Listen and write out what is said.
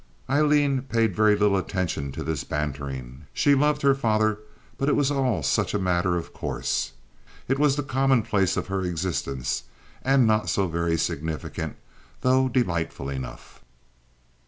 Aileen paid very little attention to this bantering. She loved her father, but it was all such a matter of course. It was the commonplace of her existence, and not so very significant, though delightful enough.